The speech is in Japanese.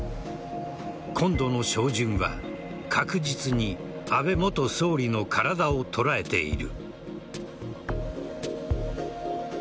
今度の照準は、確実に安倍元総理の体を捉えている。